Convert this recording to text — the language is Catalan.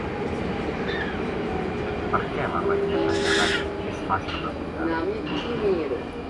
Per què la reineta gegant és fàcil de cuidar?